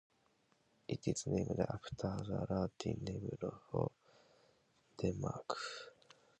It is named after the Latin name for Denmark.